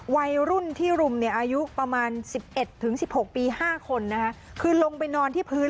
วัยรุ่นที่รุมเนี่ยอายุประมาณ๑๑๑๖ปี๕คนนะคะคือลงไปนอนที่พื้น